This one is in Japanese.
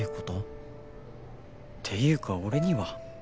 っていうか俺には？